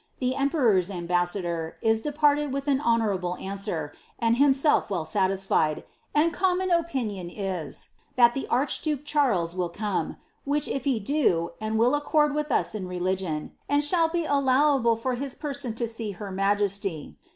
The emperor's ambassu dr^r is departed with an honourable answer, and himself well satislied, and : jmmon opinion is, that the archduke Charles will come ; which if he do, and »j!'. accord with us in religion, and shall be allowable for his person to her : i;e*ty.